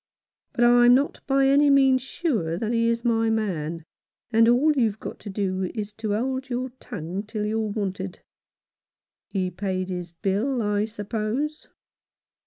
But I'm not by any means sure that he is my man, and all you've got to do is to hold your tongue till you're wanted. He paid his bill, I suppose